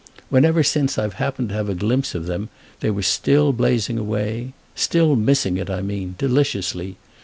Whenever since I've happened to have a glimpse of them they were still blazing away—still missing it, I mean, deliciously.